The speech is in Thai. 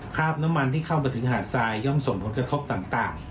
คราบน้ำมันที่เข้ามาถึงหาดทรายย่อมส่งผลกระทบต่าง